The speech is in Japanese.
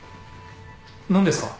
何ですか？